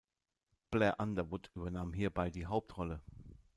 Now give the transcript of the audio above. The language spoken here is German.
Blair Underwood übernahm hierbei die Hauptrolle.